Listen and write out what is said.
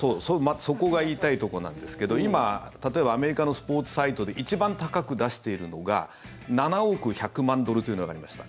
そこが言いたいところなんですけど今、例えばアメリカのスポーツサイトで一番高く出しているのが７億１００万ドルというのがありました。